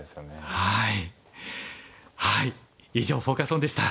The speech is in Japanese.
はい。